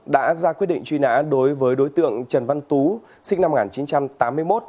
đã ra quyết định truy nã đối với đối tượng trần văn tú sinh năm một nghìn chín trăm tám mươi một